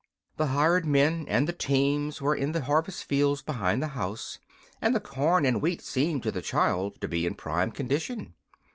The hired men and the teams were in the harvest fields behind the house, and the corn and wheat seemed to the child to be in prime condition.